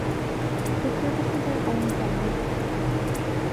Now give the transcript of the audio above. The services are owned by Moto.